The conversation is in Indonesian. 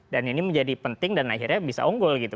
dan ini menjadi penting dan akhirnya bisa unggul gitu